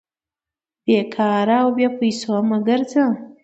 بې کاره او بې پېسو مه ګرځئ!